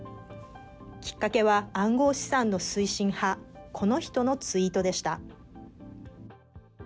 きっかけは暗号資産の推進派、この人のツイートでした。